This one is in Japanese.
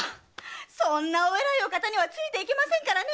そんなお偉いお方にはついていけませんからね！